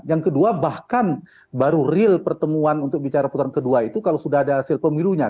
yang kedua bahkan baru real pertemuan untuk bicara putaran kedua itu kalau sudah ada hasil pemilunya